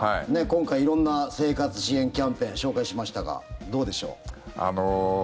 今回色んな生活支援キャンペーン紹介しましたが、どうでしょう。